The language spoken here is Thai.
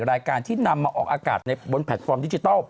รายการที่นำมาออกอากาศในบนแพลตฟอร์มดิจิทัล